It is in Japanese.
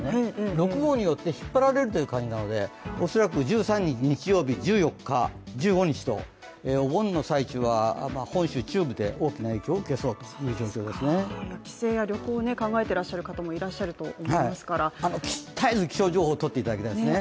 ６号によって引っ張られるという形なので、恐らく１３日日曜１４日、１５日とお盆の最中は本州、中部で大きな影響を受けそうということですね帰省や旅行を考えている方もいらっしゃるでしょうから気象情報をちゃんととってほしいですね。